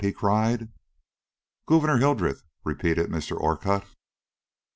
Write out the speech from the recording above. he cried. "Gouverneur Hildreth," repeated Mr. Orcutt.